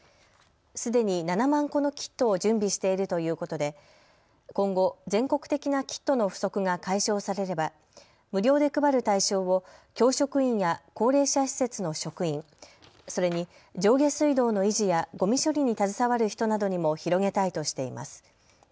すでに７万個のキットを準備しているということで今後、全国的なキットの不足が解消されれば無料で配る対象を教職員や高齢者施設の職員、それに上下水道の維持やごみ処理に携わる人などにも広げたいとしています。